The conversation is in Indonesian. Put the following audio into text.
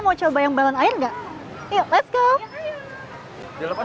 semangat sekali mau menjejel balon air ini kita akan mencoba balon air ini di sini kita akan mencoba